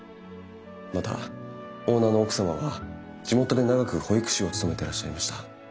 またオーナーの奥様は地元で長く保育士を務めていらっしゃいました。